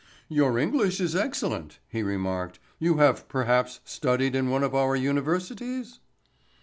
"Your English is excellent," he remarked. "You have perhaps studied in one of our universities?"